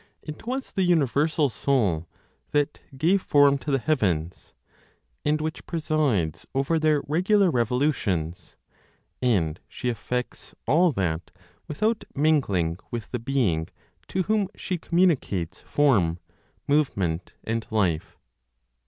It was the universal Soul that gave form to the heavens, and which presides over their regular revolutions; and she effects all that without mingling with the being to whom she communicates form, movement and life.